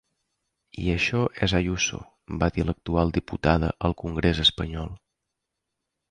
I això és Ayuso, va dir l’actual diputada al congrés espanyol.